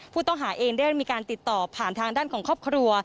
ผู้ต้องหาเองได้มีการติดต่อผ่านทางด้านของครอบครัว